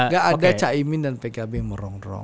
gak ada cak imin dan pkb yang merongrong